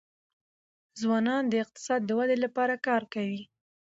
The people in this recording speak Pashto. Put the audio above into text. ځوانان د اقتصاد د ودي لپاره کار کوي.